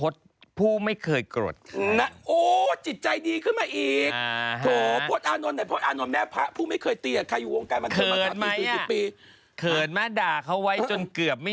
สิวเต็มหลังเลยไม่รู้